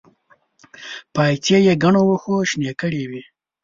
پايڅې يې ګڼو وښو شنې کړې وې.